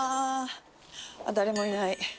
誰もいない。